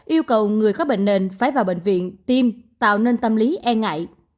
yêu cầu người có bệnh nền phải vào bệnh viện tim tạo nên tâm lý e ngại